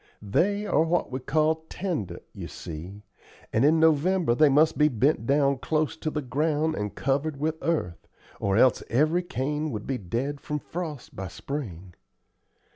They are what we call tender, you see, and in November they must be bent down close to the ground and covered with earth, or else every cane would be dead from frost by spring.